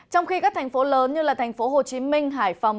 trong khi các thành phố lớn như thành phố hồ chí minh hải phòng